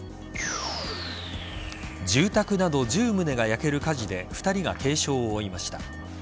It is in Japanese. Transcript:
住宅など１０棟が焼ける火事で２人が軽傷を負いました。